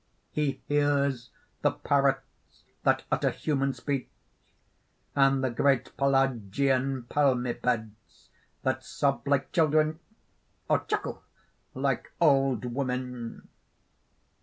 He hears the parrots that utter human speech; and the great Pelasgian palmipeds that sob like children or chuckle like old women.